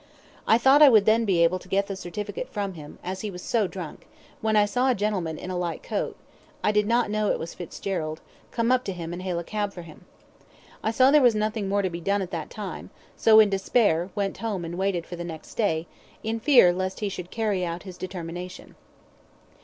I thought I would then be able to get the certificate from him, as he was so drunk, when I saw a gentleman in a light coat I did not know it was Fitzgerald come up to him and hail a cab for him. I saw there was nothing more to be done at that time, so, in despair, went home and waited for the next day, in fear lest he should carry out his determination.